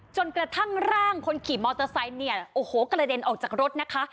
จนกระทั่งร่างคนขี่มอเตอร์ไซค์เนี่ยโอ้โหกระเด็นออกจากรถนะคะ